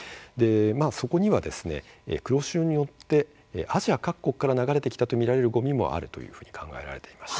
そこには黒潮に乗ってアジア各国から流れてきたと見られるごみもあると考えられています。